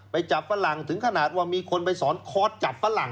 ไปจับฝรั่งถึงขนาดว่ามีคนไปสอนคอร์สจับฝรั่ง